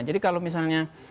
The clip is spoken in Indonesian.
jadi kalau misalnya